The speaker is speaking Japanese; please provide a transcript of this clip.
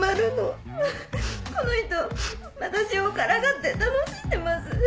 この人私をからかって楽しんでます。